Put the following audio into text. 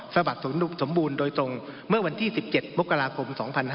สะบัดสมบูรณ์โดยตรงเมื่อวันที่๑๗มกราคม๒๕๕๙